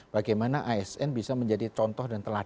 bagaimana asn bisa menjadi contoh dan teladan